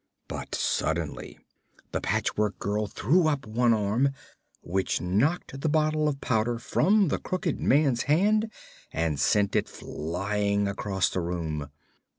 But suddenly the Patchwork Girl threw up one arm, which knocked the bottle of powder from the crooked man's hand and sent it flying across the room.